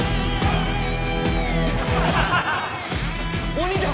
鬼だ！